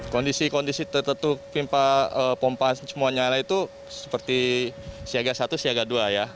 kondisi kondisi tertentu pimpa pompa semua nyala itu seperti siaga satu siaga dua ya